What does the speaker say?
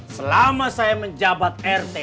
selama saya menjabat rt